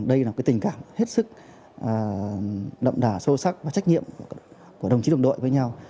đây là một tình cảm hết sức đậm đà sâu sắc và trách nhiệm của đồng chí đồng đội với nhau